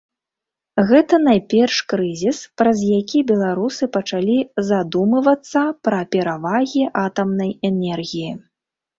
Гэта, найперш, крызіс, праз які беларусы пачалі задумывацца пра перавагі атамнай энергіі.